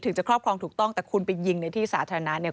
จะครอบครองถูกต้องแต่คุณไปยิงในที่สาธารณะเนี่ย